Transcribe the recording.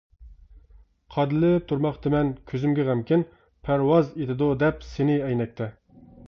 قادىلىپ تۇرماقتىمەن كۆزۈمگە غەمكىن، پەرۋاز ئېتىدۇ دەپ سېنى ئەينەكتە.